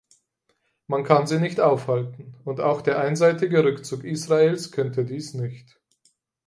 Man kann sie nicht aufhalten, und auch der einseitige Rückzug Israels könnte dies nicht!